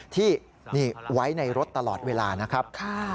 ที่นี่ไว้ในรถตลอดเวลานะครับ